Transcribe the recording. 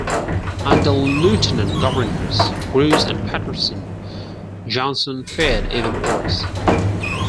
Under lieutenant-governors Grose and Paterson, Johnson fared even worse.